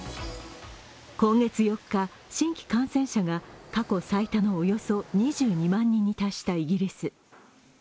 今月４日、新規感染者が過去最多のおよそ２２万人に達したイギリス。